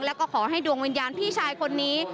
แล้วก็ขอให้ดวงวิญญาณพี่ชายคนนี้